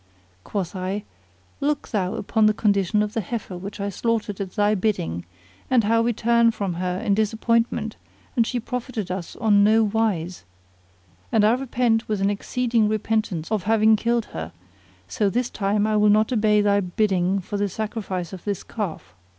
Quoth I, "Look thou upon the condition of the heifer which I slaughtered at thy bidding and how we turn from her in disappointment and she profited us on no wise; and I repent with an exceeding repentance of having killed her: so this time I will not obey thy bidding for the sacrifice of this calf."